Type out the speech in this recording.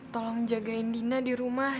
tolong jagain dina di rumah